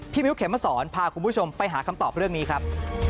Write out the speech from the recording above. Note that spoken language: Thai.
มิ้วเขมสอนพาคุณผู้ชมไปหาคำตอบเรื่องนี้ครับ